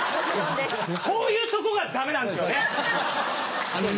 こういうとこがダメなんですよね！